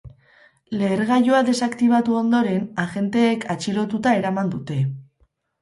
Lehergailua desaktibatu ondoren, agenteek atxilotuta eraman dute.